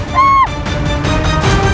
baru buat aku